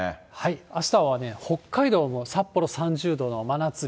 あしたは北海道も札幌３０度の真夏日。